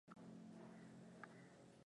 akitupiwa lawama la kuchelewesha mambo